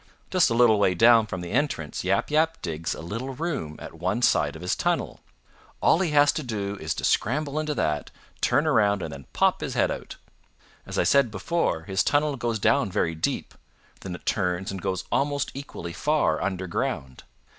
"Just a little way down from the entrance Yap Yap digs a little room at one side of his tunnel. All he has to do is to scramble into that, turn around and then pop his head out. As I said before, his tunnel goes down very deep; then it turns and goes almost equally far underground.